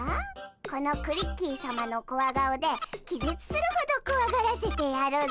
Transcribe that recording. このクリッキーさまのコワ顔で気絶するほどこわがらせてやるぞ！